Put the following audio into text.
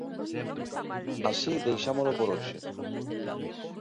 Así deixámolo por hoxe.